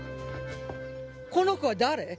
この子は誰？